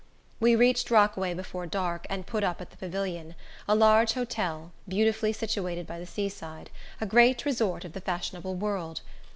We reached Rockaway before dark, and put up at the Pavilion—a large hotel, beautifully situated by the sea side—a great resort of the fashionable world.